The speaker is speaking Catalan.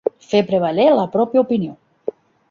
Fer prevaler la pròpia opinió.